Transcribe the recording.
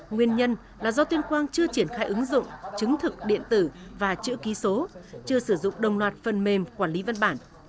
nguyên nhân là do tuyên quang chưa triển khai ứng dụng chứng thực điện tử và chữ ký số chưa sử dụng đồng loạt phần mềm quản lý văn bản